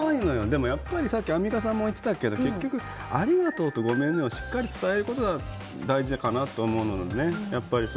でもやっぱりさっきアンミカさんも言ってたけど結局ありがとうとごめんねをしっかり伝えることが大事かなと思うのでね。